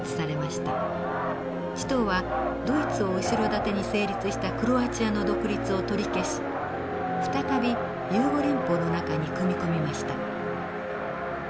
チトーはドイツを後ろ盾に成立したクロアチアの独立を取り消し再びユーゴ連邦の中に組み込みました。